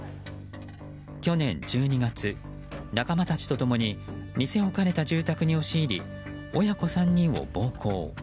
去年１２月、仲間たちと共に店を兼ねた住宅に押し入り親子３人を暴行。